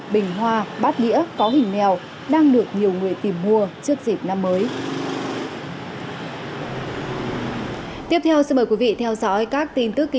bình hoa bát nghĩa có hình mèo đang được nhiều người tìm mua trước dịp năm mới